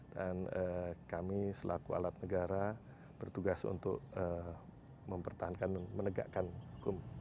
dan kami selaku alat negara bertugas untuk mempertahankan menegakkan hukum